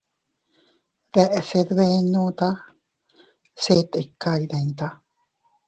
Deʼse dbedbenota se tika iydita.